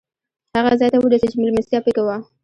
هغه ځای ته ورسېدو چې مېلمستیا پکې وه.